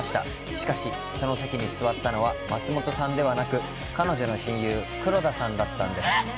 しかし、その席に座ったのは松本さんではなく彼女の親友、黒田さんだったんです